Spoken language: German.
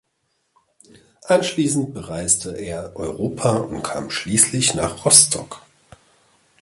Anschließend bereiste er Europa und kam schließlich nach Rostock.